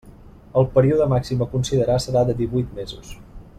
El període màxim a considerar serà de divuit mesos.